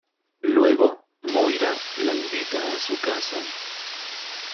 Luego, Moira la invita a su casa.